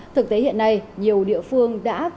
thực tế hiện nay nhiều địa phương đang mục đích